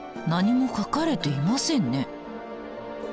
何も書かれていませんね。